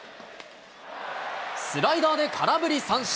スライダーで空振り三振。